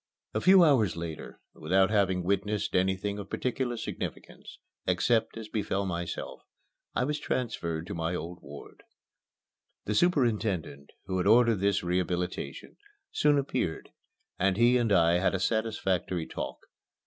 XV A few hours later, without having witnessed anything of particular significance, except as it befell myself, I was transferred to my old ward. The superintendent, who had ordered this rehabilitation, soon appeared, and he and I had a satisfactory talk.